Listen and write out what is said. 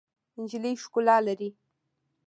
نجلۍ ښکلا لري.